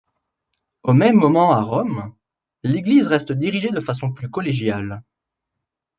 Au même moment à Rome, l’Église reste dirigée de façon plus collégiale.